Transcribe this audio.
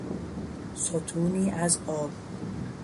ستونی از آب